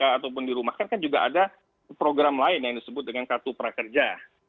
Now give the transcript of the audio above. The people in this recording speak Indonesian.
ataupun dirumahkan kan juga ada program lain yang disebut dengan kartu prakerja